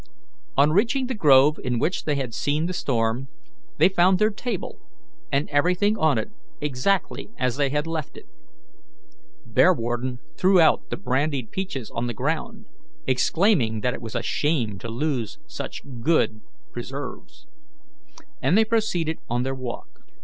On reaching the grove in which they had seen the storm, they found their table and everything on it exactly as they had left it. Bearwarden threw out the brandy peaches on the ground, exclaiming that it was a shame to lose such good preserves, and they proceeded on their walk.